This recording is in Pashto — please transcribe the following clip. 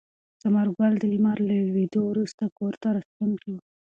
ثمر ګل د لمر له لوېدو وروسته کور ته راستون شو.